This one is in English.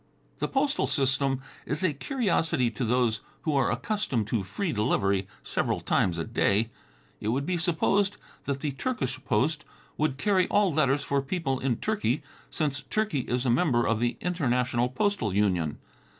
The postal system is a curiosity to those who are accustomed to free delivery several times a day. It would be supposed that the Turkish post would carry all letters for people in Turkey, since Turkey is a member of the International Postal Union.